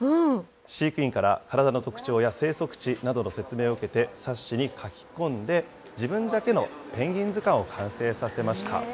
飼育員から体の特徴や生息地などの説明を受けて、冊子に書き込んで、自分だけのペンギン図鑑を完成させました。